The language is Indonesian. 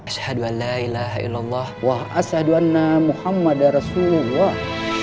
asadualla ilahaillallah wa asaduanna muhammad rasulullah